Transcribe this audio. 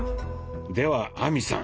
では亜美さん